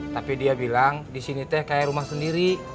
tapi dia bilang disini teh kayak rumah sendiri